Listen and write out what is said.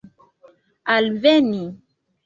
alveni